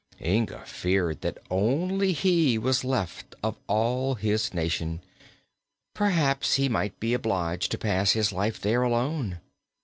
Inga feared that only he was left of all his nation. Perhaps he might be obliged to pass his life there alone.